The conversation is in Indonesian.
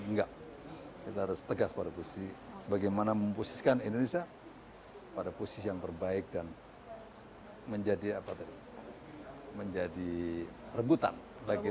enggak kita harus tegas pada posisi bagaimana memposisikan indonesia pada posisi yang terbaik dan menjadi rebutan bagi kita